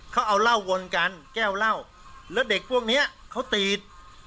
เขาเอาเหล้าวนกันแก้วเหล้าแล้วเด็กพวกเนี้ยเขาตีด